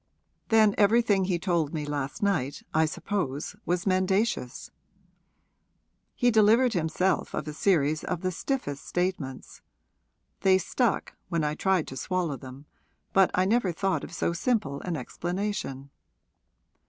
'Then everything he told me last night, I suppose, was mendacious: he delivered himself of a series of the stiffest statements. They stuck, when I tried to swallow them, but I never thought of so simple an explanation.'